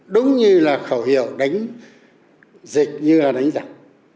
đúng như là khẩu hiệu đánh dịch như là đánh giặc